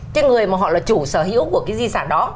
cái người mà họ là chủ sở hữu của cái di sản đó